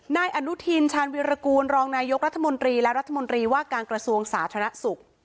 นายอนุทินชาญวิรากูลรองนายกรัฐมนตรีและรัฐมนตรีว่าการกระทรวงสาธารณสุข